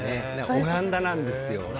オランダなんですよ。